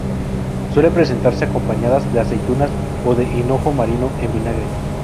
Suelen presentarse acompañadas de aceitunas o de hinojo marino en vinagre.